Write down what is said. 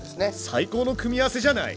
最高の組み合わせじゃない。